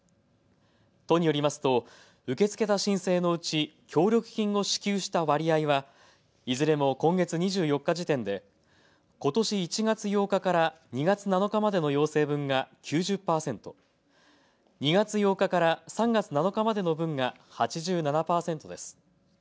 都によりますと受け付けた申請のうち協力金を支給した割合はいずれも今月２４日時点でことし１月８日から２月７日までの要請分が９０％、２月８日から３月７日までの分が８７％です。